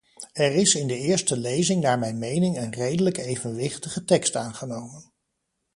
Er is in de eerste lezing naar mijn mening een redelijk evenwichtige tekst aangenomen.